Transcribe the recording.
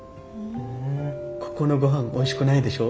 ここのごはんおいしくないでしょ。